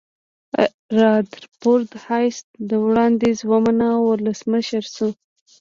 رادرفورد هایس دا وړاندیز ومانه او ولسمشر شو.